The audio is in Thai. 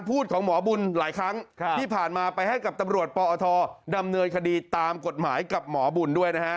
พูดของหมอบุญหลายครั้งที่ผ่านมาไปให้กับตำรวจปอทดำเนินคดีตามกฎหมายกับหมอบุญด้วยนะฮะ